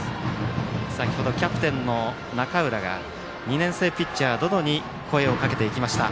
先程、キャプテンの中浦が２年生ピッチャー、百々に声をかけていきました。